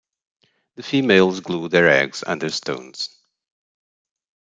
The females glue their eggs under stones.